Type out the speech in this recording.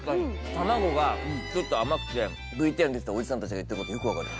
卵がちょっと甘くてＶＴＲに出てたおじさんたちが言ってたことよく分かる。